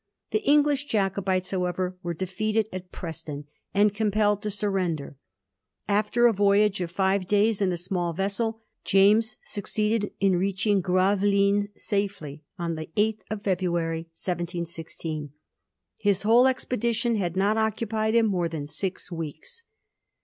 The English Jacobites, however, were defeated at Preston, and compelled to surrender. After a voyage of five days in a small vessel, James succeeded in reaching Gravelines safely on the 8th February, 1716. His whole expedition had not occupied him more than six weeks.